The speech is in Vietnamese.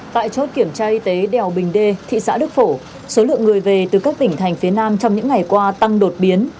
tại chốt kiểm tra y tế đèo bình đê thị xã đức phổ số lượng người về từ các tỉnh thành phía nam trong những ngày qua tăng đột biến